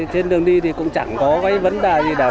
trên đường đi thì cũng chẳng có vấn đề gì đâu